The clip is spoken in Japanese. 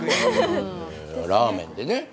ラーメンでね。